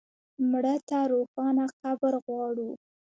مړه ته روښانه قبر غواړو